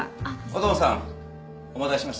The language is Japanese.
音野さんお待たせしました